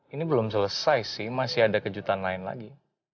ini belum selesai sih masih ada kejutan lain lagi